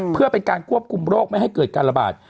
เพื่อเป็นการควบคุมโรคไม่ให้เกิดการระบาด